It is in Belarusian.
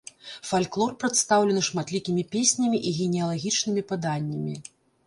Фальклор прадстаўлены шматлікімі песнямі і генеалагічнымі паданнямі.